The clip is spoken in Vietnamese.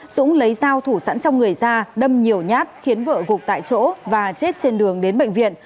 dũng lấy dao thủ sẵn trong người ra đâm nhiều nhát khiến vợ gục tại chỗ và chết trên đường đến bệnh viện